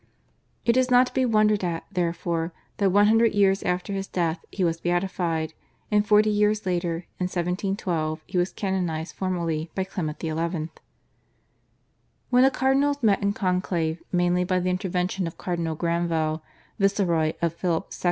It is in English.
It is not to be wondered at, therefore, that one hundred years after his death he was beatified, and forty years later, in 1712, he was canonised formally by Clement XI. When the cardinals met in conclave, mainly by the intervention of Cardinal Granvelle, viceroy of Philip II.